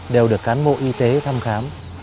đều được cán bộ y tế thăm khám